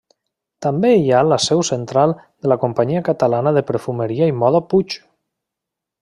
També hi ha la seu central de la companyia catalana de perfumeria i moda Puig.